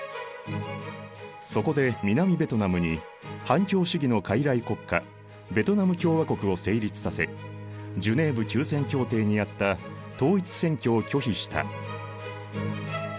そこで南ベトナムに反共主義の傀儡国家ベトナム共和国を成立させジュネーブ休戦協定にあった統一選挙を拒否した。